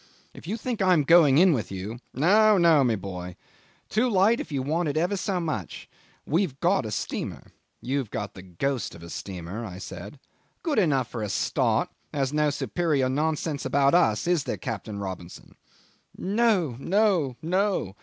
"If you think I am going in with you ..." "No, no, my boy. Too late, if you wanted ever so much. We've got a steamer." "You've got the ghost of a steamer," I said. "Good enough for a start there's no superior nonsense about us. Is there, Captain Robinson?" "No! no! no!"